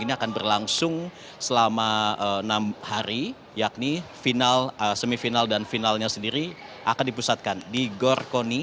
ini akan berlangsung selama enam hari yakni semifinal dan finalnya sendiri akan dipusatkan di gor koni